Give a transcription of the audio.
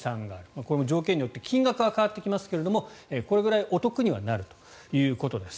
これも条件によって金額は変わってきますがこれぐらいお得にはなるということです。